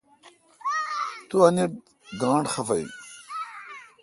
تو انیت گاݨڈ خفہ این۔